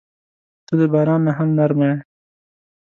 • ته د باران نه هم نرمه یې.